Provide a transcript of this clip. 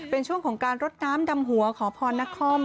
เป็นช่วงของการรดน้ำดำหัวขอพรนักคอม